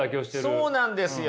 そうなんですよ。